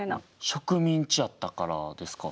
植民地やったからですか？